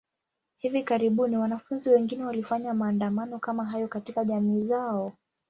Hivi karibuni, wanafunzi wengine walifanya maandamano kama hayo katika jamii zao.